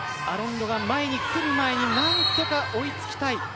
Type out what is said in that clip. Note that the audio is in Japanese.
アロンドラが前に来る前に何とか追いつきたい。